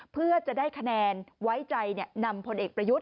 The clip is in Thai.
เพื่อจะได้คะแนนไว้ใจนำพลเอกประยุทธ์